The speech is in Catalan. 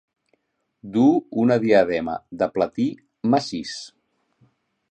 Duu una diadema de platí massís.